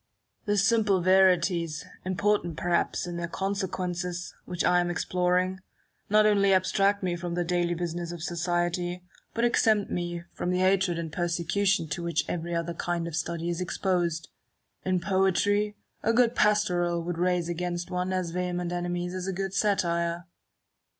The simple verities, important perhaps in their consequences, which I am exploring, not only abstract me from the daily business of society, but exempt me from the BARRO W AND NE WTON. 193 hatred and persecution to which every other kind of study is exposed. In poetry, a good pastoral would raise against one as vehement enemies as a good satire.